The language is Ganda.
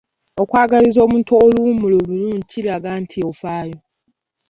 Okwagaliza omuntu oluwummula olulungi kiraga nti ofaayo.